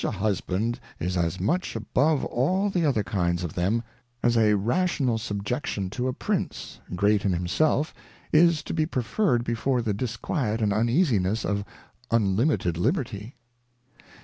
Husband is as much above all the other Kinds of them, as a rational subjection to a Prince, great in himself, is to J)e preferr'd before the disquiet and uneasiness of Unlimited Liberty.